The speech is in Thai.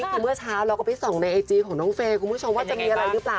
คือเมื่อเช้าเราก็ไปส่องในไอจีของน้องเฟย์คุณผู้ชมว่าจะมีอะไรหรือเปล่า